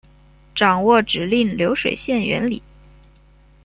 掌握指令流水线原理